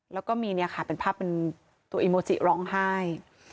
แล้วก็มีเนี่ยค่ะเป็นภาพเป็นตัวอีโมจิร้องไห้